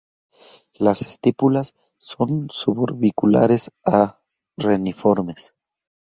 Las estípulas son suborbiculares a reniformes.